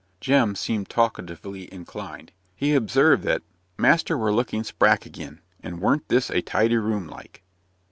Jem seemed talkatively inclined. He observed that "master was looking sprack agin; and warn't this a tidy room, like?"